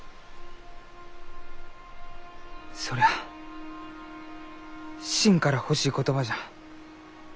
そりゃあしんから欲しい言葉じゃ。